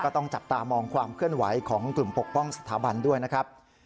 ต้องจับตามองความเคลื่อนไหวของกลุ่มปกป้องสถาบันด้วยนะครับ